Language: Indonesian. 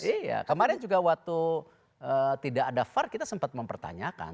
iya kemarin juga waktu tidak ada var kita sempat mempertanyakan